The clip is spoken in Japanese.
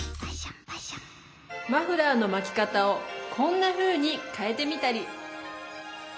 マフラーのまき方をこんなふうに変えてみたり。